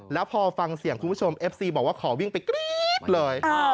แล้วพอฟังเสียงคุณผู้ชมเอฟซีบอกว่าขอวิ่งไปกรี๊ดเลย